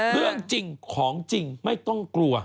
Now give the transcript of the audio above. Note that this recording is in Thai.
เรื่องจริงของจริงไม่ต้องกลัว